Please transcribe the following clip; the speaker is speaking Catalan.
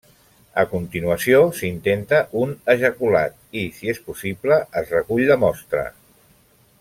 A continuació, s'intenta un ejaculat i, si és possible, es recull la mostra.